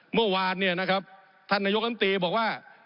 เมื่อวานเนี่ยนะครับท่านนายกรรมตรีบอกว่า